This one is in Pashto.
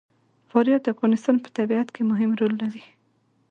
فاریاب د افغانستان په طبیعت کې مهم رول لري.